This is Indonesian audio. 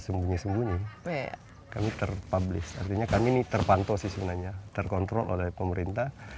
sembunyi sembunyi kami terpublish artinya kami ini terpantau sih sebenarnya terkontrol oleh pemerintah